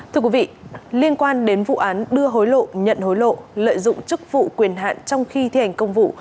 thưa quý vị liên quan đến vụ án đưa hối lộ nhận hối lộ lợi dụng chức vụ quyền hạn trong khi thi hành công vụ